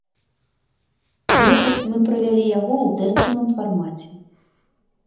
Летась мы правялі яго ў тэставым фармаце.